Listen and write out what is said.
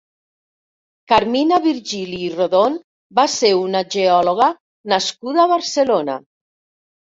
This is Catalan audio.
Carmina Virgili i Rodón va ser una geòloga nascuda a Barcelona.